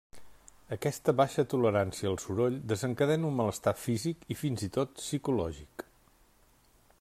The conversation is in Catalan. Aquesta baixa tolerància al soroll desencadena un malestar físic i, fins i tot, psicològic.